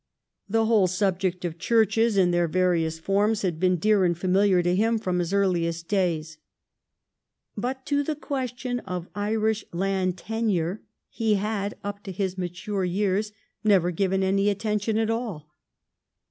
The whole sub ject of churches in their various forms had been 2/8 THE STORY OF GLADSTONE'S LIFE dear and familiar to him from his earliest days. But to the question of Irish land tenure he had up to his mature years never given any attention at all.